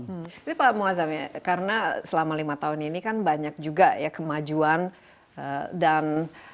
tapi pak muazzam ya karena selama lima tahun ini kan banyak juga ya kemajuan dan